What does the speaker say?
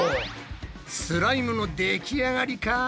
スライムのできあがりか！？